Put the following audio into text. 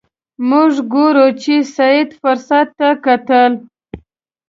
موږ ګورو چې سید فرصت ته کتل.